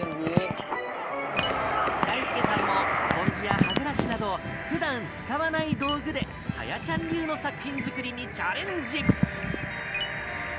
だいすけさんもスポンジや歯ブラシなど、ふだん使わない道具で、さやちゃん流の作品作りにチャレンジ。